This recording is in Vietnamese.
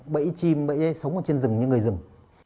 bẫy chim bẫy sống ở trên rừng như người rừng